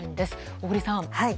小栗さん。